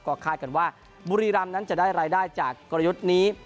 ก็คาดกันว่าบุรีรำนั้นจะได้รายได้จากกลยุทธ์นี้